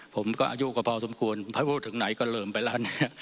ผมก็อายูกว่าพอซมควรพอกูถึงไหนก็เริ่มไปแล้วนี้